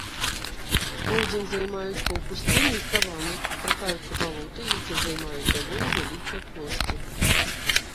Поўдзень займаюць паўпустыні і саваны, сустракаюцца балоты, якія займаюць даволі вялікія плошчы.